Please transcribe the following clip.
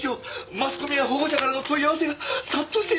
マスコミや保護者からの問い合わせが殺到しています！